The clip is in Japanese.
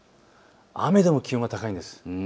雨でも気温が高いんです。